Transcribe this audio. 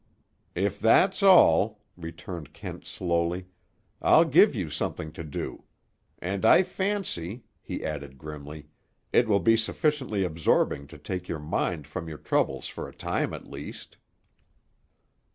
"If that's all," returned Kent slowly, "I'll give you something to do. And I fancy," he added grimly, "it will be sufficiently absorbing to take your mind from your troubles for a time at least."